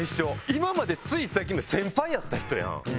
今までつい最近まで先輩やった人やん。